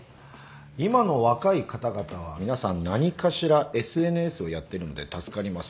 今の若い方々は皆さん何かしらＳＮＳをやってるので助かります。